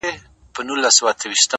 لېونيه خو په څه ډول دې پوه کړي _